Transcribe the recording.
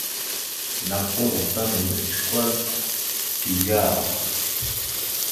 Nakw koŋgov ta nambrec kwal te yaw?